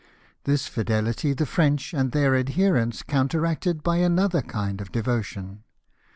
This fidelity the French and their adherents counteracted by another kmd of devotion.